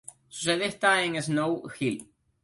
Su sede está en Snow Hill.